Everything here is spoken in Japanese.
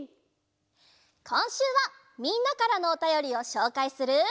こんしゅうはみんなからのおたよりをしょうかいする。